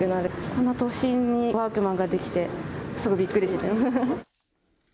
こんな都心にワークマンが出来て、すごいびっくりしてます。